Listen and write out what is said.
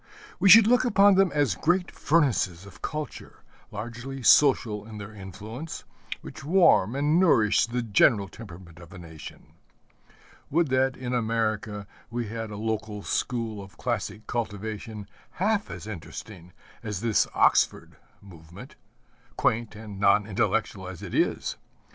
We should look upon them as great furnaces of culture, largely social in their influence, which warm and nourish the general temperament of a nation. Would that in America we had a local school of classic cultivation half as interesting as this Oxford Movement quaint and non intellectual as it is!